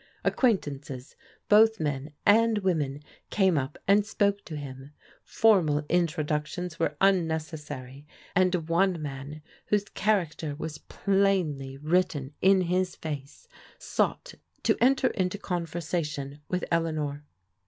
Acquaintances, both men and women, came up and spoke to him. For mal introductions were unnecessary, and one man, whose character was plainly written in his face, sought to enter into conversation with Eleanor.